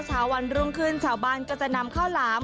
เช้าวันรุ่งขึ้นชาวบ้านก็จะนำข้าวหลาม